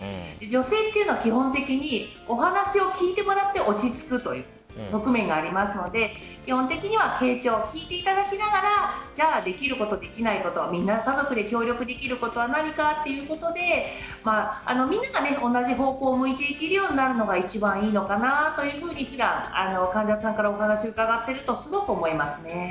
女性というのは基本的にお話を聞いてもらって落ち着くという側面がありますので基本的には傾聴していただきながらできること、できないこと家族で協力できることは何かということでみんなが同じ方向を向いていけるようになるのが一番いいのかなと普段、患者さんからお話を伺っているとすごく思いますね。